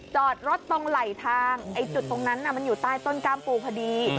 จอดรถตรงไหลทางไอ้จุดตรงนั้นมันอยู่ใต้ต้นกล้ามปูพอดี